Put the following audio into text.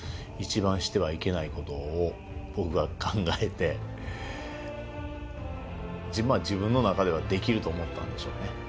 いちばん、してはいけないことを僕は考えてまあ自分の中ではできると思ったんでしょうね。